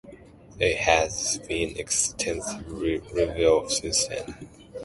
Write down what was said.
It has been extensively rebuilt since then.